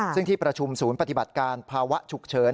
ซึ่งที่ประชุมศูนย์ปฏิบัติการภาวะฉุกเฉิน